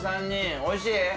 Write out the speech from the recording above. ３人、おいしい？